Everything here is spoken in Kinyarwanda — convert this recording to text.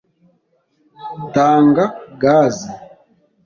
tanga gaze